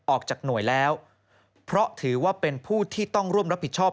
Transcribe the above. ออกจากหน่วยแล้วเพราะถือว่าเป็นผู้ที่ต้องร่วมรับผิดชอบ